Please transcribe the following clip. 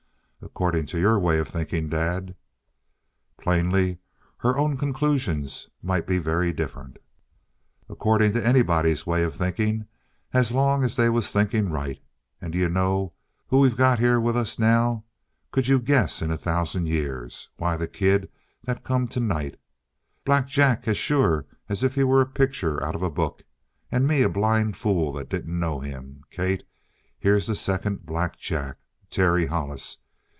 "According to your way of thinking, Dad!" Plainly her own conclusions might be very different. "According to anybody's way of thinking, as long as they was thinking right. And d'you know who we've got here with us now? Could you guess it in a thousand years? Why, the kid that come tonight. Black Jack as sure as if he was a picture out of a book, and me a blind fool that didn't know him. Kate, here's the second Black Jack. Terry Hollis.